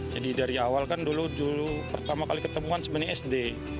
jadi dari awal kan dulu pertama kali ketemu tuhan sebenarnya sd